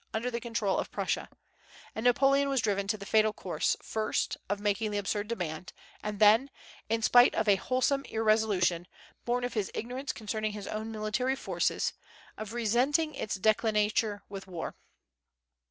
under the control of Prussia; and Napoleon was driven to the fatal course, first, of making the absurd demand, and then in spite of a wholesome irresolution, born of his ignorance concerning his own military forces of resenting its declinature with war.